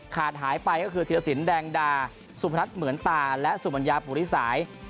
หายไปก็คือธีรสินแดงดาสุพนัทเหมือนตาและสุมัญญาปุริสาย